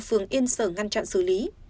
phường yên sở ngăn chặn xử lý